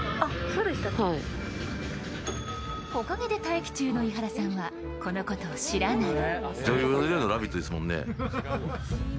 木陰で待機中の伊原さんはこのことを知らない。